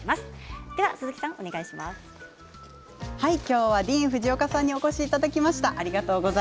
今日はディーン・フジオカさんにお越しいただきました。